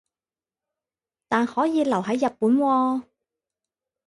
但可以留係日本喎